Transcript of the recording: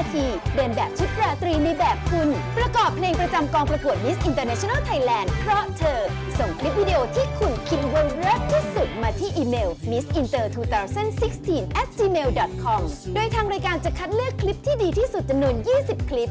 เพื่อคลิปที่ดีที่สุดจะหนุน๒๐คลิป